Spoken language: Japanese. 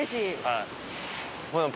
はい。